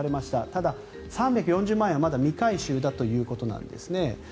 ただ、３４０万円はまだ未回収だということなんですね。